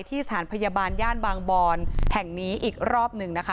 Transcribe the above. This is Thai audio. สถานพยาบาลย่านบางบอนแห่งนี้อีกรอบหนึ่งนะคะ